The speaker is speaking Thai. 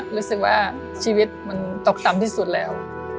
รู้สึกว่าชีวิตมันตกต่ำที่สุดแล้ว